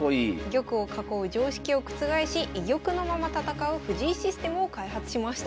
玉を囲う常識を覆し居玉のまま戦う藤井システムを開発しました。